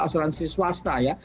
asuransi swasta ya